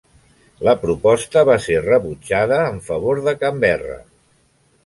La proposta va ser rebutjada en favor de Canberra.